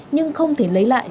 nhưng không thể lấy lại